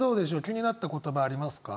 気になった言葉ありますか？